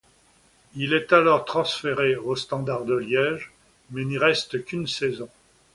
Il est alors transféré au Standard de Liège mais n'y reste qu'une saison.